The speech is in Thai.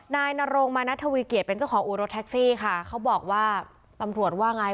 นายนโรงมานัททวีเกียจเป็นเจ้าของอู่รถแท็กซี่ค่ะเขาบอกว่าตำรวจว่าไง